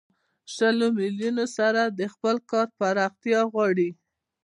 شلو میلیونو سره د خپل کار پراختیا غواړي